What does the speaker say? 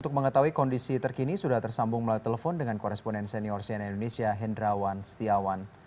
untuk mengetahui kondisi terkini sudah tersambung melalui telepon dengan koresponen senior cnn indonesia hendrawan setiawan